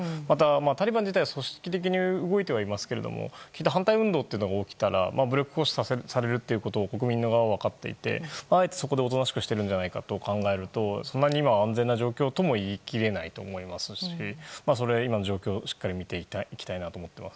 タリバン自体は組織的に動いていますが反対運動が起きたら武力行使してくることを国民の側は分かっていてあえてそこでおとなしくしているのではないかと考えるとそんなに安全な状況ではないと思いますし状況をしっかり見ていきたいなと思います。